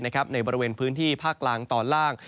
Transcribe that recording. ในบริเวณพื้นที่ภาคกลางตอนล่าง